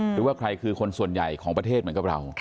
หรือว่าใครคือคนส่วนใหญ่ของประเทศเหมือนกับเรา